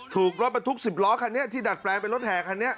ถูกรถบรรทุก๑๐ล้อคันนี้ที่ดัดแปลงเป็นรถแห่คันนี้